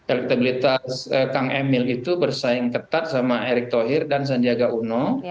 elektabilitas kang emil itu bersaing ketat sama erick thohir dan sandiaga uno